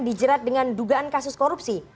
dijerat dengan dugaan kasus korupsi